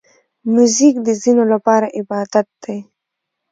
موزیک د ځینو لپاره عبادت دی.